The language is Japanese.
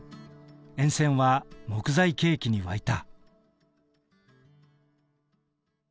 沿線は木材景気に沸いた。